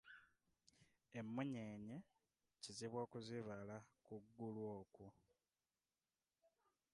Emmunyeenye kizibu okuzibala ku ggulu okwo.